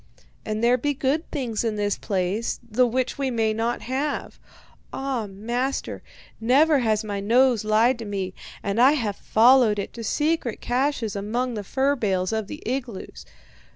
And there be good things in this place, the which we may not have. Ah, master, never has my nose lied to me, and I have followed it to secret caches and among the fur bales of the igloos.